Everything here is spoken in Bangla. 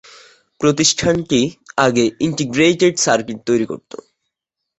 প্রতিষ্ঠানটি আগে ইন্টিগ্রেটেড সার্কিট তৈরি করতো।